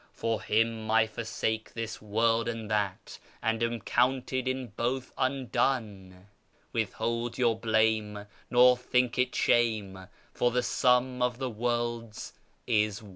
For Him I forsake this world and that, and am counted in both undone ; Withhold your blame, nor think it shame, for the sum of tlie worlds is One.'